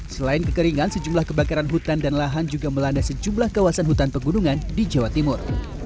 selain kekeringan sejumlah kebakaran hutan dan lahan juga melanda sejumlah kawasan hutan pegunungan di jawa timur